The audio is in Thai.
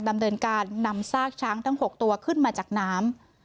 ดำเนินการนำซากช้างทั้ง๖ตัวขึ้นมาจากน้ำ